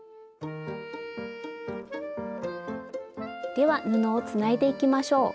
では布をつないでいきましょう。